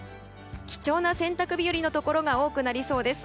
貴重な洗濯日和のところが多くなりそうです。